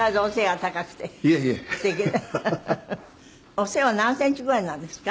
お背は何センチぐらいなんですか？